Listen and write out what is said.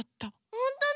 ほんとだ！